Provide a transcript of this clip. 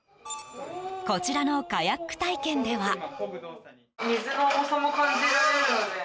こちらのカヤック体験では。